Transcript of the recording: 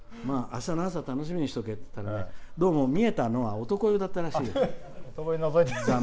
あしたの朝楽しみにしとけって言ったらどうも見えたのは男湯だったらしいです。